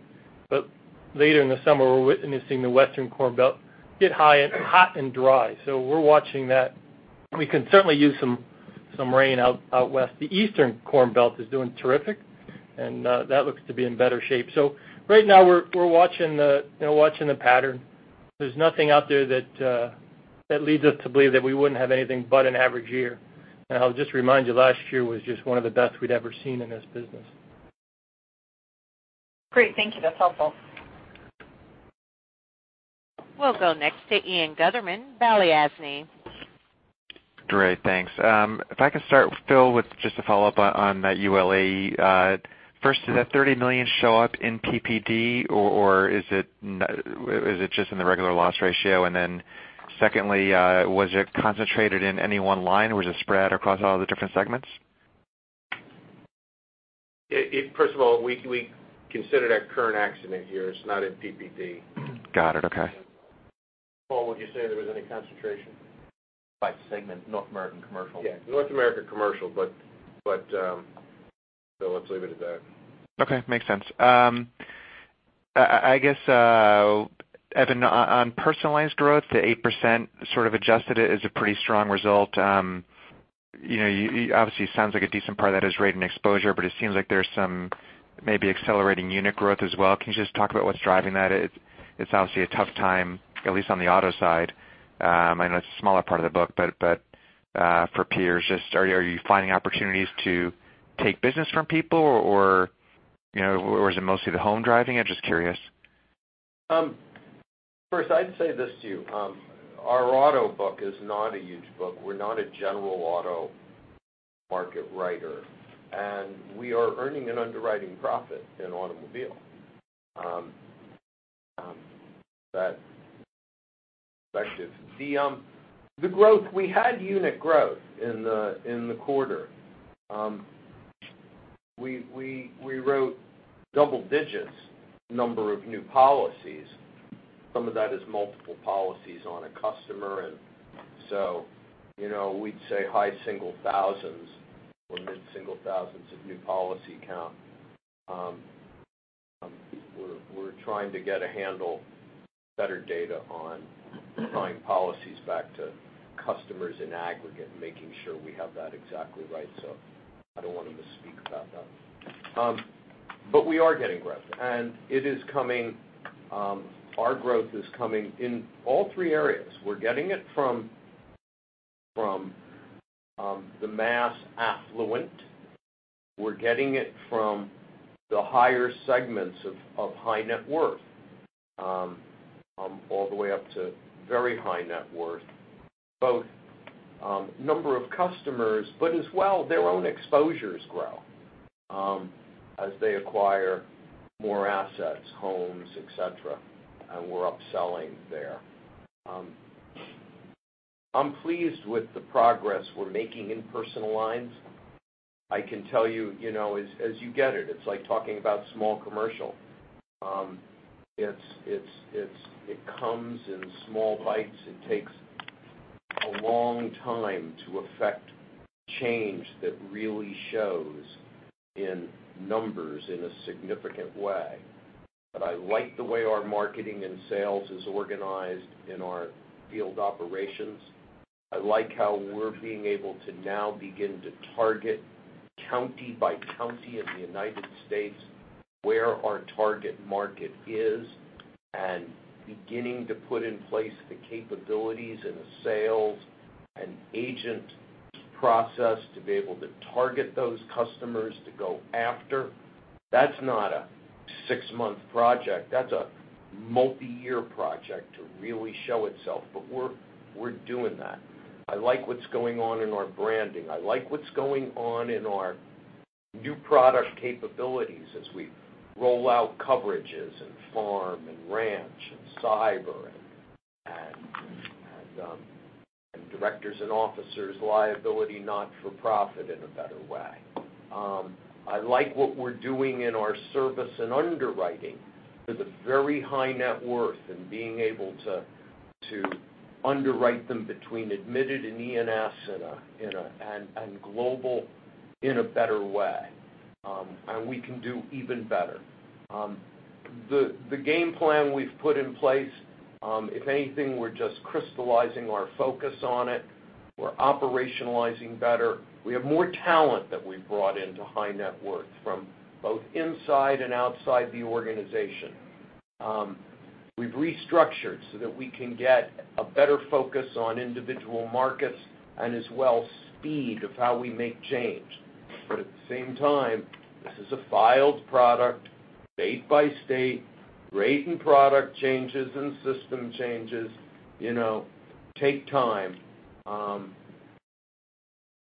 [SPEAKER 11] but later in the summer, we're witnessing the Western Corn Belt get hot and dry. We're watching that. We can certainly use some rain out west. The Eastern Corn Belt is doing terrific, that looks to be in better shape. Right now, we're watching the pattern. There's nothing out there that leads us to believe that we wouldn't have anything but an average year. I'll just remind you, last year was just one of the best we'd ever seen in this business.
[SPEAKER 10] Great. Thank you. That's helpful.
[SPEAKER 1] We'll go next to Ian Gutterman, Balyasny.
[SPEAKER 12] Great, thanks. If I can start, Phil, with just a follow-up on that ULAE. First, did that $30 million show up in PPD, or is it just in the regular loss ratio? Then secondly, was it concentrated in any one line? Was it spread across all the different segments?
[SPEAKER 3] First of all, we consider that current accident here. It's not in PPD.
[SPEAKER 12] Got it. Okay.
[SPEAKER 3] Paul, would you say there was any concentration?
[SPEAKER 7] By segment, North American Commercial.
[SPEAKER 3] Yeah. North American Commercial, Phil, let's leave it at that.
[SPEAKER 12] Okay. Makes sense. I guess, Evan, on personal lines growth, the 8% sort of adjusted, it is a pretty strong result. Obviously, it sounds like a decent part of that is rate and exposure. It seems like there's some maybe accelerating unit growth as well. Can you just talk about what's driving that? It's obviously a tough time, at least on the auto side. I know it's a smaller part of the book. For peers, are you finding opportunities to take business from people, or is it mostly the home driving? I'm just curious.
[SPEAKER 3] Ian, I'd say this to you. Our auto book is not a huge book. We're not a general auto market writer. We are earning an underwriting profit in automobile. The growth, we had unit growth in the quarter. We wrote double-digit number of new policies. Some of that is multiple policies on a customer. We'd say high single thousands or mid-single thousands of new policy count. We're trying to get a handle, better data on applying policies back to customers in aggregate and making sure we have that exactly right. I don't want to misspeak about that. We are getting growth. Our growth is coming in all three areas. We're getting it from the mass affluent. We're getting it from the higher segments of high net worth, all the way up to very high net worth, both number of customers, but as well, their own exposures grow as they acquire more assets, homes, et cetera, and we're upselling there. I'm pleased with the progress we're making in personal lines. I can tell you, as you get it's like talking about small commercial. It comes in small bites. It takes a long time to affect change that really shows in numbers in a significant way. I like the way our marketing and sales is organized in our field operations. I like how we're being able to now begin to target county by county in the U.S., where our target market is, and beginning to put in place the capabilities and the sales and agent process to be able to target those customers to go after. That's not a six-month project. That's a multi-year project to really show itself, but we're doing that. I like what's going on in our branding. I like what's going on in our new product capabilities as we roll out coverages in farm, and ranch, and cyber, and D&O liability, not-for-profit in a better way. I like what we're doing in our service and underwriting for the very high net worth and being able to underwrite them between admitted and E&S and global in a better way, and we can do even better. The game plan we've put in place, if anything, we're just crystallizing our focus on it. We're operationalizing better. We have more talent that we've brought into high net worth from both inside and outside the organization. We've restructured so that we can get a better focus on individual markets and as well, speed of how we make change. At the same time, this is a filed product, state by state, rate and product changes and system changes take time.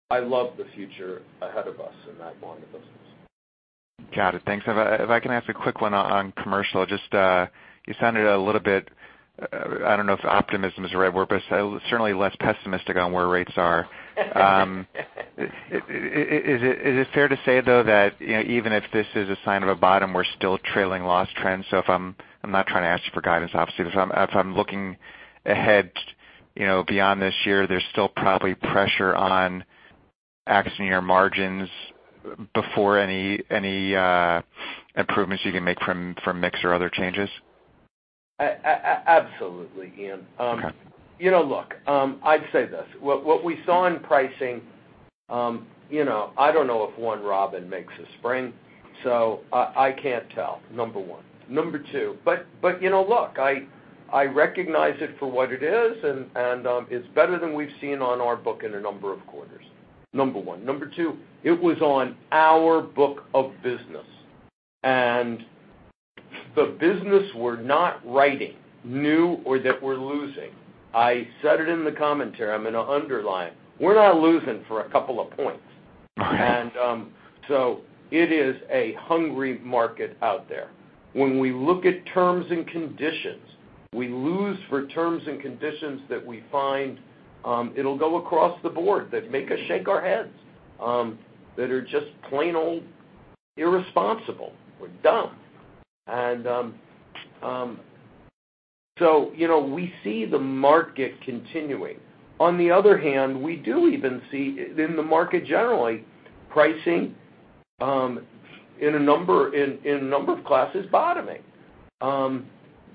[SPEAKER 3] I love the future ahead of us in that line of business.
[SPEAKER 12] Got it. Thanks. If I can ask a quick one on commercial. You sounded a little bit, I don't know if optimism is the right word, but certainly less pessimistic on where rates are. Is it fair to say, though, that even if this is a sign of a bottom, we're still trailing loss trends? I'm not trying to ask you for guidance, obviously, but if I'm looking ahead beyond this year, there's still probably pressure on accident year margins before any improvements you can make from mix or other changes?
[SPEAKER 3] Absolutely, Ian.
[SPEAKER 12] Okay.
[SPEAKER 3] I'd say this. What we saw in pricing, I don't know if one robin makes a spring, so I can't tell, number one. Look, I recognize it for what it is, and it's better than we've seen on our book in a number of quarters, number one. Number two, it was on our book of business. The business we're not writing, new or that we're losing. I said it in the commentary. I'm going to underline. We're not losing for a couple of points.
[SPEAKER 12] Okay.
[SPEAKER 3] It is a hungry market out there. When we look at terms and conditions, we lose for terms and conditions that we find it'll go across the board that make us shake our heads, that are just plain old irresponsible or dumb. We see the market continuing. On the other hand, we do even see in the market generally, pricing in a number of classes, bottoming.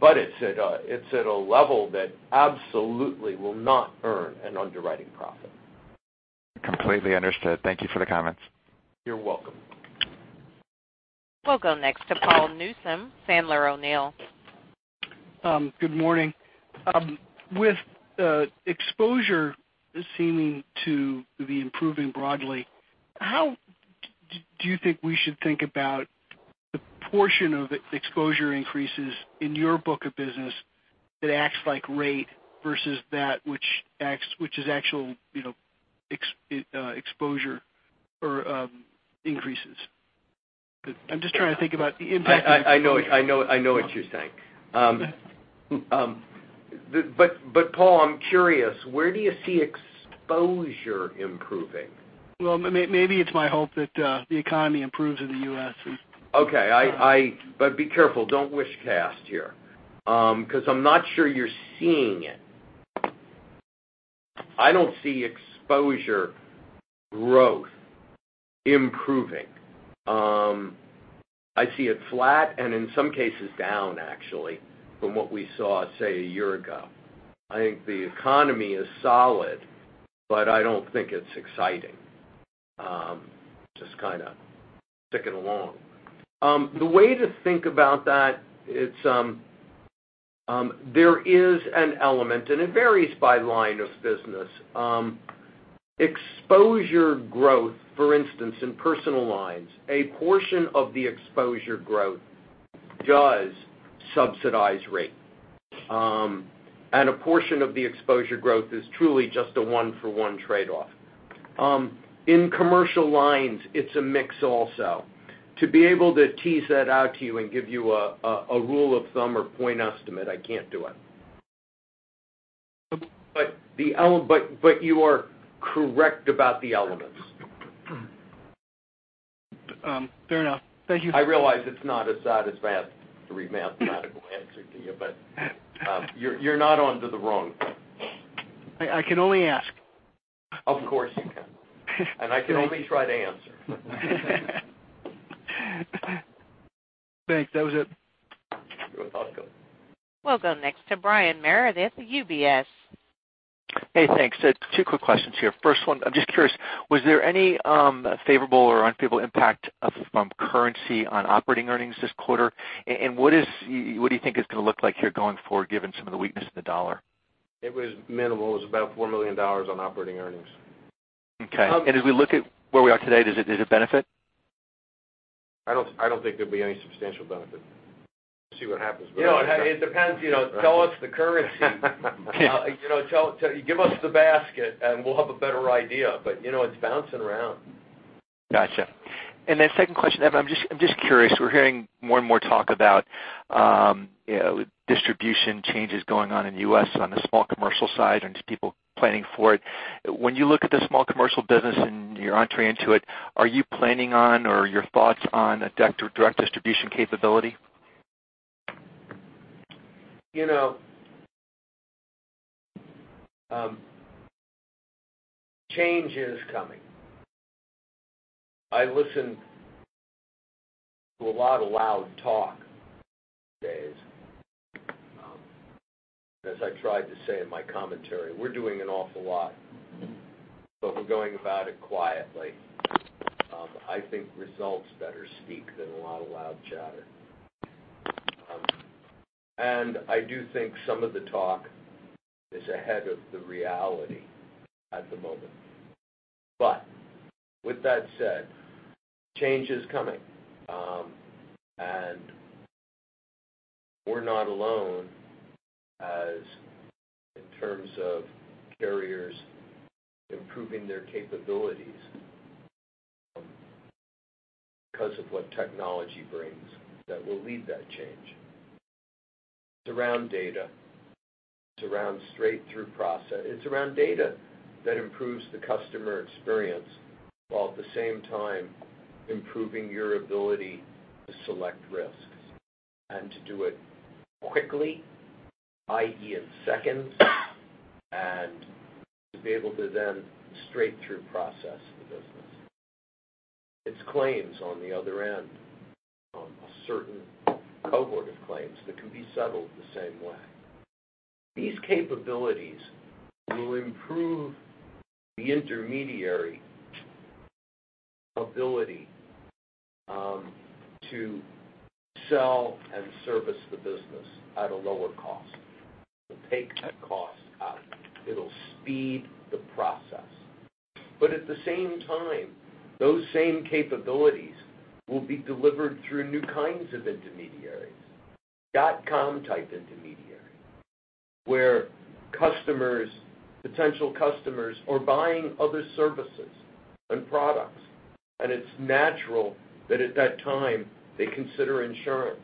[SPEAKER 3] It's at a level that absolutely will not earn an underwriting profit.
[SPEAKER 12] Completely understood. Thank you for the comments.
[SPEAKER 3] You're welcome.
[SPEAKER 1] We'll go next to Paul Newsome, Sandler O'Neill.
[SPEAKER 13] Good morning. With exposure seeming to be improving broadly, how do you think we should think about the portion of exposure increases in your book of business that acts like rate versus that which is actual exposure or increases? I'm just trying to think about the impact of exposure.
[SPEAKER 3] I know what you're saying. Paul, I'm curious, where do you see exposure improving?
[SPEAKER 13] Maybe it's my hope that the economy improves in the U.S.
[SPEAKER 3] Okay. Be careful. Don't wish cast here. I'm not sure you're seeing it. I don't see exposure growth improving. I see it flat and in some cases down actually from what we saw, say, a year ago. I think the economy is solid, but I don't think it's exciting. Just kind of ticking along. The way to think about that, there is an element, and it varies by line of business. Exposure growth, for instance, in personal lines, a portion of the exposure growth does subsidize rate. A portion of the exposure growth is truly just a one-for-one trade-off. In commercial lines, it's a mix also. To be able to tease that out to you and give you a rule of thumb or point estimate, I can't do it. You are correct about the elements.
[SPEAKER 13] Fair enough. Thank you.
[SPEAKER 3] I realize it's not a satisfactory mathematical answer to you, but you're not onto the wrong thing.
[SPEAKER 13] I can only ask.
[SPEAKER 3] Of course you can. I can only try to answer.
[SPEAKER 13] Thanks. That was it.
[SPEAKER 3] You're welcome.
[SPEAKER 1] We'll go next to Brian Meredith of UBS.
[SPEAKER 14] Hey, thanks. Two quick questions here. First one, I'm just curious, was there any favorable or unfavorable impact from currency on operating earnings this quarter? What do you think it's going to look like here going forward, given some of the weakness in the dollar?
[SPEAKER 3] It was minimal. It was about $4 million on operating earnings.
[SPEAKER 14] Okay. As we look at where we are today, is it benefit?
[SPEAKER 3] I don't think there'd be any substantial benefit. See what happens.
[SPEAKER 4] It depends. Tell us the currency.
[SPEAKER 14] Yeah.
[SPEAKER 3] Give us the basket, and we'll have a better idea, but it's bouncing around.
[SPEAKER 14] Got you. Then second question, Evan, I'm just curious, we're hearing more and more talk about distribution changes going on in the U.S. on the small commercial side and just people planning for it. When you look at the small commercial business and your entry into it, are you planning on or your thoughts on a direct distribution capability?
[SPEAKER 3] Change is coming. I listen to a lot of loud talk these days. As I tried to say in my commentary, we're doing an awful lot, but we're going about it quietly. I think results better speak than a lot of loud chatter. I do think some of the talk is ahead of the reality at the moment. With that said, change is coming. We're not alone as in terms of carriers improving their capabilities because of what technology brings that will lead that change. It's around data, it's around straight-through process. It's around data that improves the customer experience while at the same time improving your ability to select risks and to do it quickly, i.e., in seconds, and to be able to then straight through process the business. It's claims on the other end, a certain cohort of claims that can be settled the same way. These capabilities will improve the intermediary ability to sell and service the business at a lower cost. It'll take that cost out. It'll speed the process. At the same time, those same capabilities will be delivered through new kinds of intermediaries, dot-com type intermediaries, where potential customers are buying other services and products. It's natural that at that time, they consider insurance.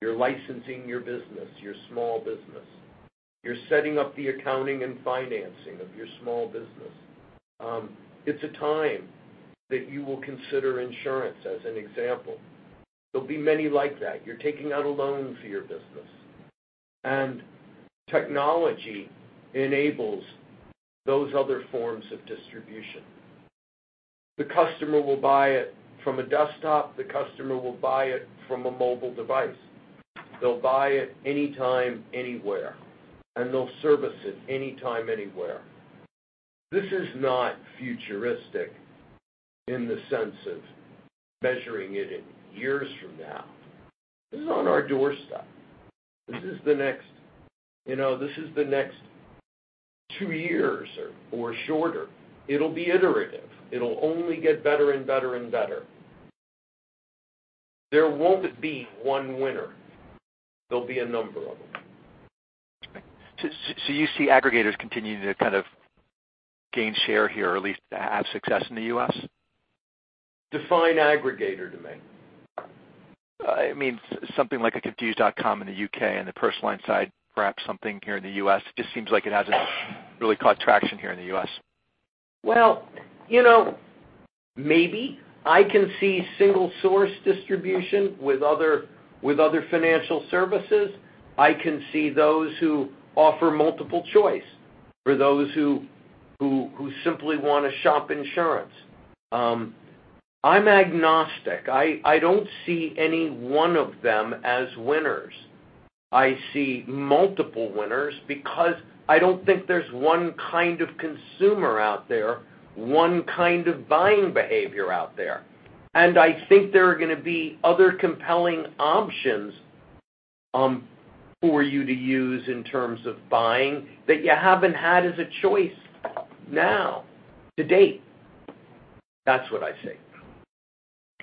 [SPEAKER 3] You're licensing your business, your small business. You're setting up the accounting and financing of your small business. It's a time that you will consider insurance as an example. There'll be many like that. You're taking out a loan for your business. Technology enables those other forms of distribution. The customer will buy it from a desktop. The customer will buy it from a mobile device. They'll buy it anytime, anywhere, and they'll service it anytime, anywhere. This is not futuristic in the sense of measuring it in years from now. This is on our doorstep. This is the next two years or shorter. It'll be iterative. It'll only get better and better and better. There won't be one winner. There'll be a number of them.
[SPEAKER 14] You see aggregators continuing to kind of gain share here, or at least have success in the U.S.?
[SPEAKER 3] Define aggregator to me.
[SPEAKER 14] I mean something like a Confused.com in the U.K., in the personal line side, perhaps something here in the U.S. It just seems like it hasn't really caught traction here in the U.S.
[SPEAKER 3] Well, maybe. I can see single source distribution with other financial services. I can see those who offer multiple choice for those who simply want to shop insurance. I'm agnostic. I don't see any one of them as winners. I see multiple winners because I don't think there's one kind of consumer out there, one kind of buying behavior out there. I think there are going to be other compelling options for you to use in terms of buying that you haven't had as a choice now to date. That's what I see.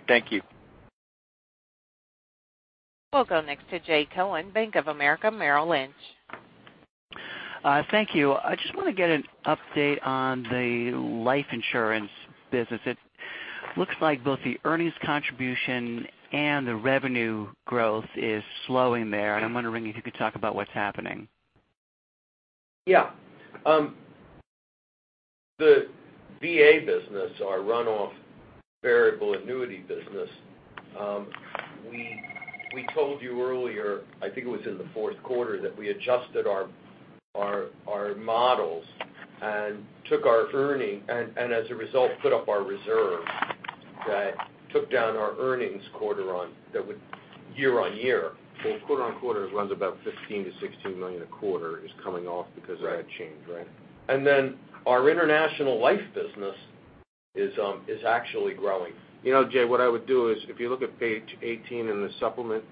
[SPEAKER 14] Thank you.
[SPEAKER 1] We'll go next to Jay Cohen, Bank of America, Merrill Lynch.
[SPEAKER 15] Thank you. I just want to get an update on the life insurance business. It looks like both the earnings contribution and the revenue growth is slowing there, and I'm wondering if you could talk about what's happening.
[SPEAKER 3] Yeah. The VA business, our runoff variable annuity business, we told you earlier, I think it was in the fourth quarter, that we adjusted our models and took our earning, and as a result, put up our reserve that took down our earnings year-on-year.
[SPEAKER 4] Well, quarter-on-quarter runs about $15 million-$16 million a quarter is coming off because of that change. Right?
[SPEAKER 3] Our international life business is actually growing.
[SPEAKER 4] Jay, what I would do is if you look at page 18 in the supplement,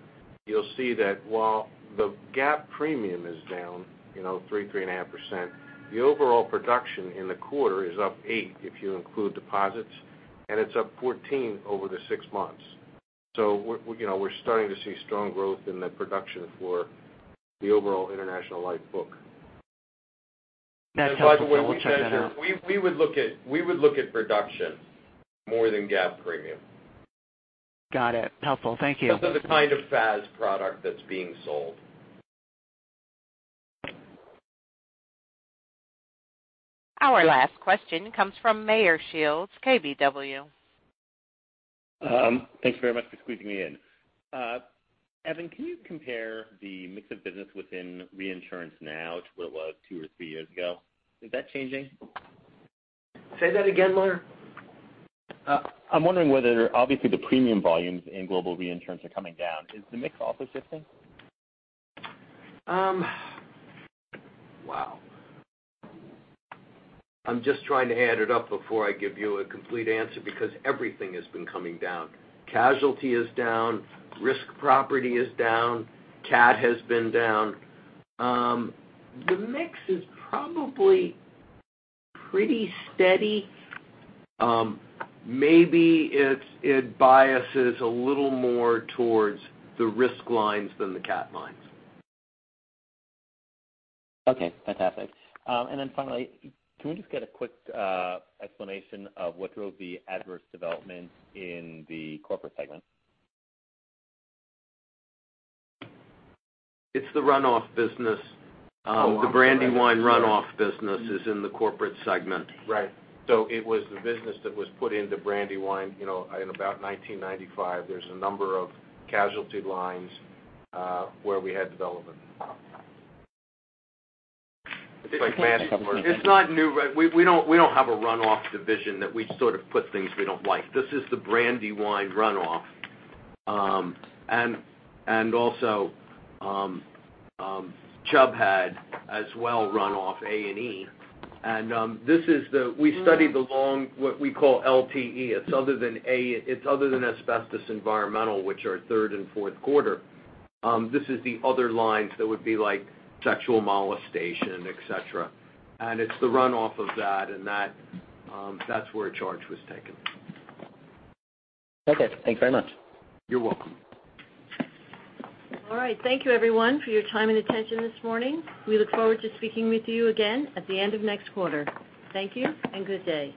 [SPEAKER 4] you'll see that while the GAAP premium is down 3.5%, the overall production in the quarter is up eight if you include deposits, and it's up 14 over the six months. We're starting to see strong growth in the production for the overall international life book.
[SPEAKER 15] That's helpful. We'll check that out.
[SPEAKER 3] We would look at production more than GAAP premium.
[SPEAKER 15] Got it. Helpful. Thank you.
[SPEAKER 3] Also the kind of FAS product that's being sold.
[SPEAKER 1] Our last question comes from Meyer Shields, KBW.
[SPEAKER 16] Thanks very much for squeezing me in. Evan, can you compare the mix of business within reinsurance now to where it was two or three years ago? Is that changing?
[SPEAKER 3] Say that again, Meyer.
[SPEAKER 16] I'm wondering whether, obviously, the premium volumes in global reinsurance are coming down. Is the mix also shifting?
[SPEAKER 3] Wow. I'm just trying to add it up before I give you a complete answer because everything has been coming down. Casualty is down, risk property is down, CAT has been down. The mix is probably pretty steady. Maybe it biases a little more towards the risk lines than the CAT lines.
[SPEAKER 16] Finally, can we just get a quick explanation of what drove the adverse development in the corporate segment?
[SPEAKER 3] It's the runoff business. The Brandywine runoff business is in the corporate segment.
[SPEAKER 4] Right. It was the business that was put into Brandywine in about 1995. There's a number of casualty lines where we had development. It's like massive.
[SPEAKER 3] It's not new. We don't have a runoff division that we sort of put things we don't like. This is the Brandywine runoff. Also, Chubb had as well runoff A&E. We studied the long, what we call LTE. It's other than asbestos environmental, which are third and fourth quarter. This is the other lines that would be like sexual molestation, et cetera. It's the runoff of that, and that's where a charge was taken.
[SPEAKER 16] Okay, thanks very much.
[SPEAKER 3] You're welcome.
[SPEAKER 1] All right. Thank you everyone for your time and attention this morning. We look forward to speaking with you again at the end of next quarter. Thank you and good day.